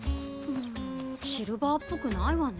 んシルバーっぽくないわねぇ。